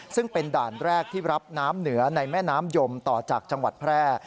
ซึ่งเป็นด่านแรกที่รับน้ำเหนือในแม่น้ำยมต่อจากจังหวัดแพร่